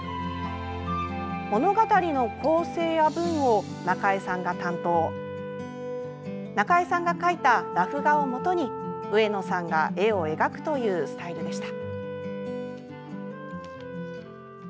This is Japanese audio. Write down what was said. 物語の構成や文をなかえさんが担当なかえさんが描いたラフ画をもとに上野さんが絵を描くというスタイルでした。